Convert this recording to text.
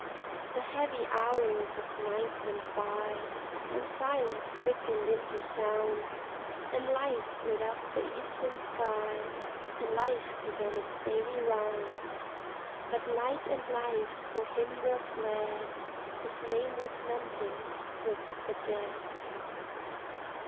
The heavy hours of night went by, And silence quickened into sound, And light slid up the eastern sky, And life began its daily round But light and life for him were fled: His name was numbered with the dead.